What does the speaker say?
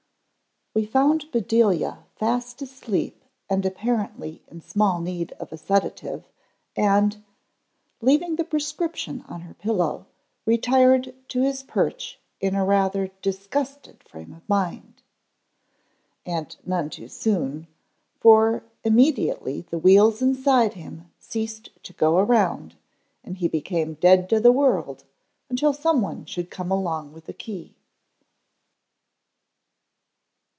_ HE found Bedelia fast asleep and apparently in small need of a sedative, and, leaving the prescription on her pillow, retired to his perch in a rather disgusted frame of mind. And none too soon, for immediately the wheels inside him ceased to go around and he became dead to the world until someone should come along with a key.